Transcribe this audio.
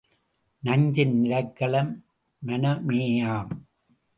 நஞ்சின் நிலைக்களம் மனமேயாம்.